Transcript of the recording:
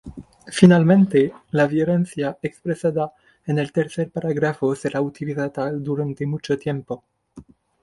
Finalmente la violencia expresada en el tercer parágrafo será utilizada durante mucho tiempo.